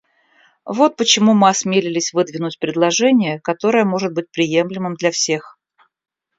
Вот почему мы осмелились выдвинуть предложение, которое может быть приемлемым для всех.